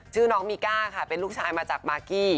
น้องมีก้าค่ะเป็นลูกชายมาจากมากกี้